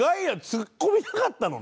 ツッコみたかったのね。